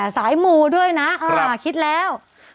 สายมูด้วยนะคิดแล้ว